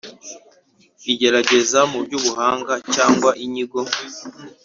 Igerageza mu by ubuhanga cyangwa inyigo